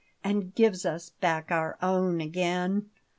And gives us back our own again.